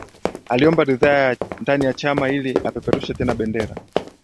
Aliomba ridhaa ndani ya Chama ili apeperushe tena bendera